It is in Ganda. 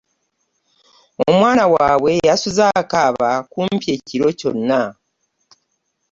Omwana waabwe yasuzze akaaba kumpi ekiro kyonna.